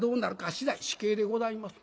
死罪死刑でございます。